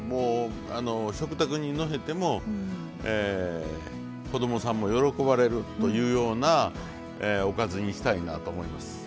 食卓にのせても子供さんも喜ばれるというようなおかずにしたいなと思います。